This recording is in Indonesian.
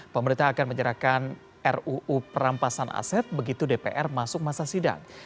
pemerintah akan menyerahkan ruu perampasan aset begitu dpr masuk masa sidang